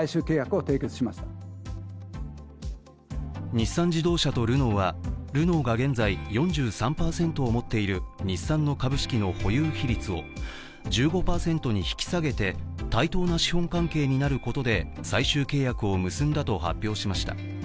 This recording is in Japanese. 日産自動車とルノーはルノーが現在、４３％を持っている日産の株式の保有比率を１５％に引き下げて対等な資本関係になることで最終契約を結んだと発表しました。